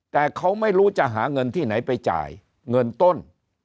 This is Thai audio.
แต่เขาไม่รู้จะหาเงินที่ไหนไปจ่ายเงินต้น